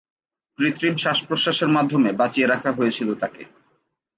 কৃত্রিম শ্বাস-প্রশ্বাসের মাধ্যমে বাঁচিয়ে রাখা হয়েছিল তাকে।